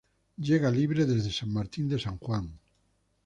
Llega libre desde San Martín de San Juan.